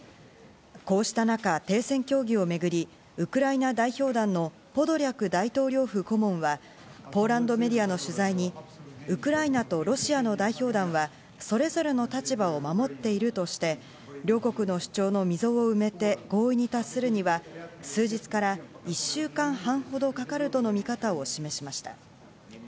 こうした中、停戦協議をめぐりウクライナ代表団のポドリャク大統領府顧問はポーランドメディアの取材にウクライナとロシアの代表団はそれぞれの立場を守っているとして、両国の主張の溝を埋めて合意に達するには、数日から１週間半ほどかかるとの見方を示しました。